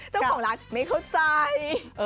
เจ้าของร้านไม่เข้าใจ